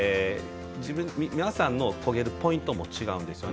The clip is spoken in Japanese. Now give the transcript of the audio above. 皆さんのこげるポイントも違います。